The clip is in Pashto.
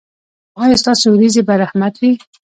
ایا ستاسو ورېځې به رحمت وي؟